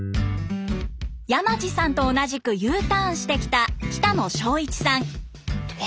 山地さんと同じくＵターンしてきた北野省一さん。